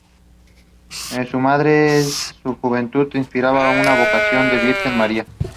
La isla fue posteriormente administrada por el Departamento de Servicios Correccionales.